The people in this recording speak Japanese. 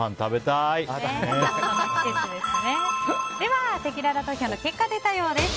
ではせきらら投票の結果が出たようです。